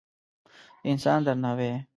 د انسان درناوی